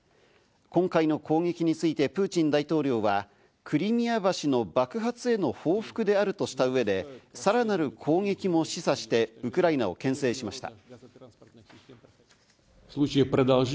今回の攻撃についてプーチン大統領はクリミア橋の爆発への報復であるとした上で、さらなる攻撃も示唆して、ウクライナをけん制しました。